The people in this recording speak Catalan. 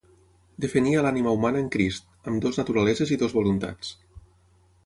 Defenia l'ànima humana en Crist, amb dues naturaleses i dues voluntats.